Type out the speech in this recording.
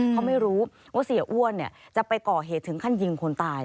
เขาไม่รู้ว่าเสียอ้วนจะไปก่อเหตุถึงขั้นยิงคนตาย